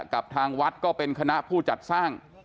กับทางวัดก็เป็นคณะผู้จัดสร้าง